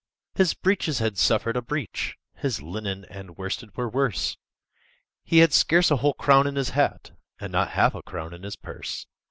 His breeches had suffered a breach, His linen and worsted were worse; He had scarce a whole crown in his hat, And not half a crown in his purse.